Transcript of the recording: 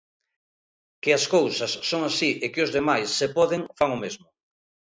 Que as cousas son así e que os demais, se poden, fan o mesmo.